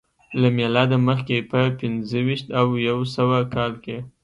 له میلاده مخکې په پنځه ویشت او یو سوه کال کې